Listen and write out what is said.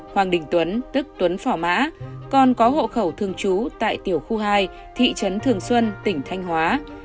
hoàng đình tuấn tức tuấn phỏ mã còn có hộ khẩu thường trú tại tiểu khu hai thị trấn thường xuân tỉnh thanh hóa